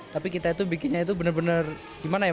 tapi kita itu bikinnya itu benar benar gimana ya